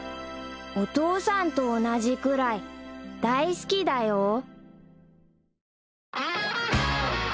［お父さんと同じくらい大好きだよ］